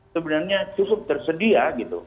sebenarnya cukup tersedia gitu